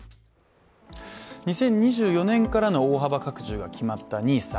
２０２４年からの大幅拡充が決まったＮＩＳＡ。